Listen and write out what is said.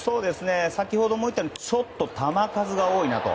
先ほども言ったようにちょっと球数が多いなと。